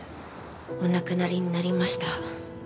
お亡くなりになりました。